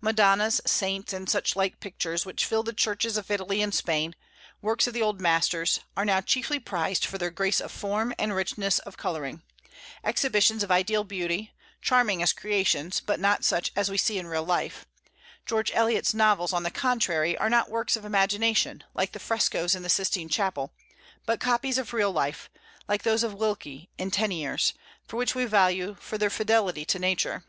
Madonnas, saints, and such like pictures which fill the churches of Italy and Spain, works of the old masters, are now chiefly prized for their grace of form and richness of coloring, exhibitions of ideal beauty, charming as creations, but not such as we see in real life; George Eliot's novels, on the contrary, are not works of imagination, like the frescos in the Sistine Chapel, but copies of real life, like those of Wilkie and Teniers, which we value for their fidelity to Nature.